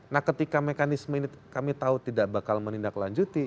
nah ketika mekanisme ini kami tahu tidak bakal menindaklanjuti